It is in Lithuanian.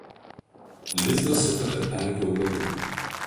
Lizdą suka tarp pelkių augalų.